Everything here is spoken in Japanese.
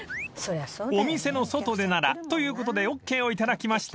［お店の外でならということでＯＫを頂きました］